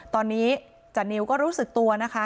ตอนนี้จานิวก็รู้สึกตัวนะคะ